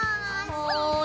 ほい。